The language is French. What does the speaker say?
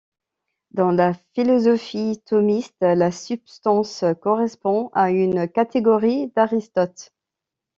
Dans la philosophie thomiste, la substance correspond à une catégorie d'Aristote.